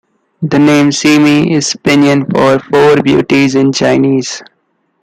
The name "Simei" is pinyin for "Four Beauties" in Chinese.